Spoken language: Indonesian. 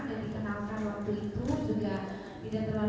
terkes teresol itu bagaimana